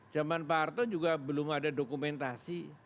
zaman pak harto juga belum ada dokumentasi